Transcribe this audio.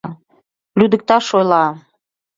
Лӱдыкташ ойла...